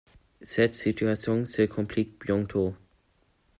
Cette situation se complique bientôt…